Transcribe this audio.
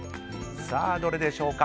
さあ、どれでしょうか。